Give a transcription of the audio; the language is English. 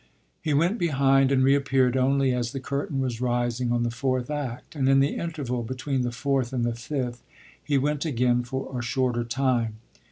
He went behind and reappeared only as the curtain was rising on the fourth act; and in the interval between the fourth and the fifth he went again for a shorter time.